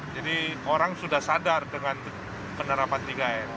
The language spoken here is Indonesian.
jadi orang sudah sadar dengan penerapan tiga m